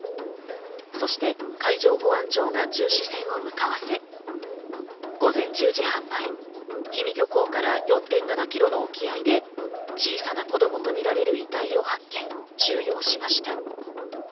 そして海上保安庁が巡視船を向かわせ、午前１０時半前、氷見漁港から４．７キロの沖合で小さな子供とみられる遺体を発見、収容しました。